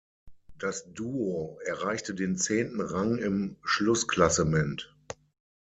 Das Duo erreichte den zehnten Rang im Schlussklassement.